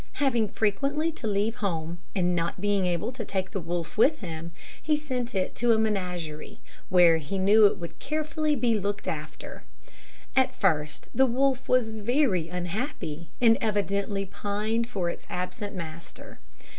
Having frequently to leave home, and not being able to take the wolf with him, he sent it to a menagerie, where he knew it would be carefully looked after. At first the wolf was very unhappy, and evidently pined for its absent master.